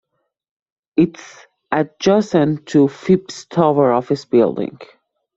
It is adjacent to the Phipps Tower office building.